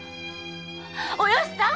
およしさん！